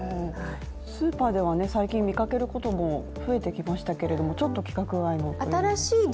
スーパーでは最近見かけることも増えてきましたけれども、ちょっと規格外のものというの。